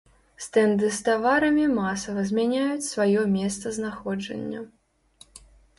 Стэнды з таварамі масава змяняюць сваё месцазнаходжання.